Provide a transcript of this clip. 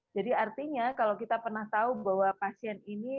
jadi artinya kalau kita pernah tahu bahwa pasien ini